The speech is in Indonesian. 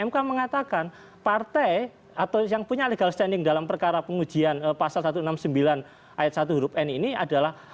mk mengatakan partai atau yang punya legal standing dalam perkara pengujian pasal satu ratus enam puluh sembilan ayat satu huruf n ini adalah